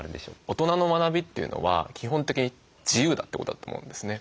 大人の学びというのは基本的に自由だってことだと思うんですね。